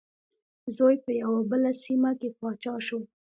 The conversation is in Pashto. زوی په یوه بله سیمه کې پاچا شو.